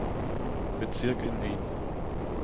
Bezirk in Wien.